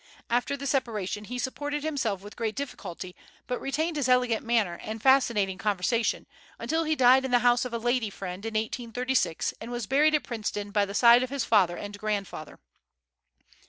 After the separation he supported himself with great difficulty, but retained his elegant manner and fascinating conversation, until he died in the house of a lady friend in 1836, and was buried at Princeton by the side of his father and grandfather.